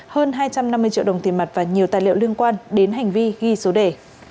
hơn hai trăm năm mươi triệu đồng tiền mặt và nhiều tài liệu liên quan đến hành vi ghi số đề